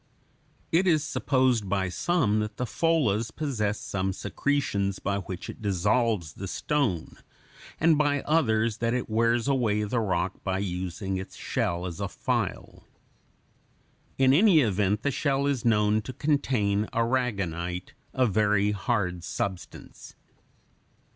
It is supposed by some that the pholas possesses some secretions by which it dissolves the stone, and by others that it wears away the rock by using its shell as a file. In any event the shell is known to contain aragonite, a very hard substance.